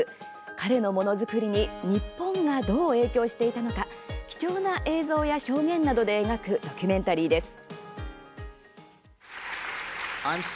彼の、ものづくりに日本がどう影響していたのか貴重な映像や証言などで描くドキュメンタリーです。